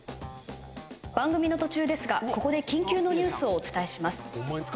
番組の途中ですがここで緊急のニュースをお伝えします。